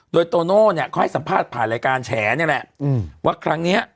โดยโตโน่เนี่ยเขาให้สัมภาษณ์ผ่านรายการแฉนี่แหละว่าครั้งนี้